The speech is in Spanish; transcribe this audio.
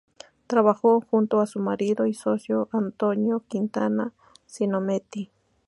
Trabajó junto a su marido y socio, Antonio Quintana Simonetti.